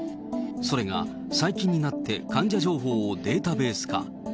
それが最近になって、患者情報をデータベース化。